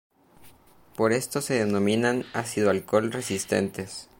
Por esto se denominan ácido-alcohol resistentes.